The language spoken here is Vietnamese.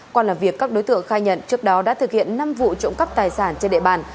còn là việc các đối tượng khai nhận trước đó đã thực hiện năm vụ trộm cắp tài sản trên đệ bàn